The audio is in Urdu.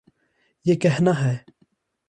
یہ کہنا ہے۔